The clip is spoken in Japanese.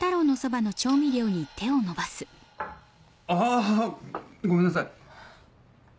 あごめんなさい。